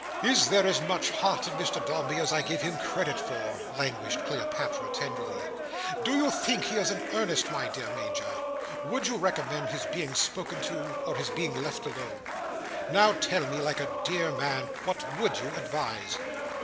"Is there as much Heart in Mr Dombey as I gave him credit for?" languished Cleopatra tenderly. "Do you think he is in earnest, my dear Major? Would you recommend his being spoken to, or his being left alone? Now tell me, like a dear man, what would you advise."